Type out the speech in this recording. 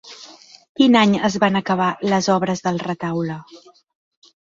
Quin any es van acabar les obres del retaule?